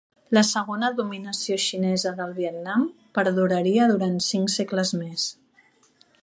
La segona dominació xinesa del Vietnam perduraria durant cinc segles més.